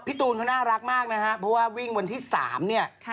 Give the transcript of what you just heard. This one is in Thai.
ตูนเขาน่ารักมากนะฮะเพราะว่าวิ่งวันที่๓เนี่ย